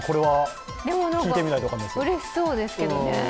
でも、うれしそうですけどね。